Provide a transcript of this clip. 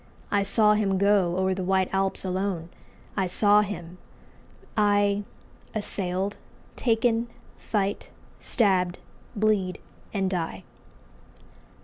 I saw him go O'er the white Alps alone; I saw him, I, Assailed, taken, fight, stabbed, bleed, and die.